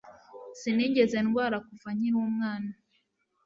Sinigeze ndwara kuva nkiri umwana.